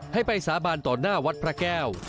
ให้ไปสาบานต่อหน้าวัดพระแก้ว